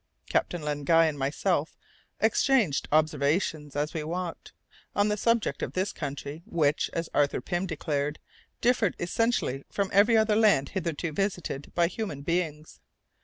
Captain Len Guy and myself exchanged observations, as we walked, on the subject of this country, which, as Arthur Pym declared, differed essentially from every other land hitherto visited by human beings.